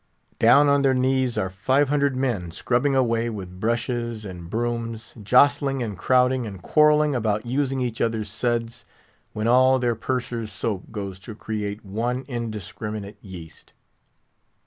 Down on their knees are five hundred men, scrubbing away with brushes and brooms; jostling, and crowding, and quarrelling about using each other's suds; when all their Purser's soap goes to create one indiscriminate yeast.